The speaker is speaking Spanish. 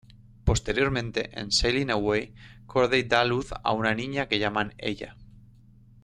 Posteriormente, en "Sailing Away", Corday da a luz a una niña que llaman Ella.